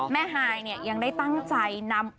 แม่ฮายยังได้ตั้งใจนำ